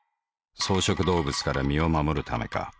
草食動物から身を護るためか。